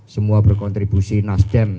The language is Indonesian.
semua berkontribusi nasdem